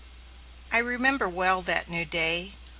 I remember well that new day.